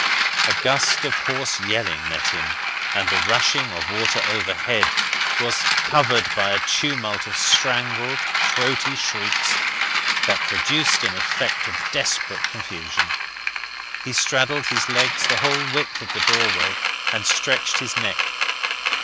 A gust of hoarse yelling met him: the air was still; and the rushing of water overhead was covered by a tumult of strangled, throaty shrieks that produced an effect of desperate confusion. He straddled his legs the whole width of the doorway and stretched his neck.